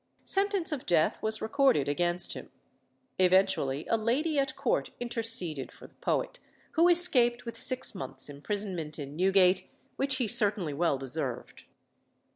Sentence of death was recorded against him. Eventually a lady at court interceded for the poet, who escaped with six months' imprisonment in Newgate, which he certainly well deserved.